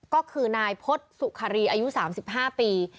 ก็คือนายพฤษสุขรีอายุ๓๕ปี